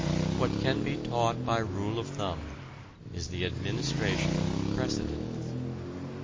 What can be taught by rule of thumb is the administration of precedents.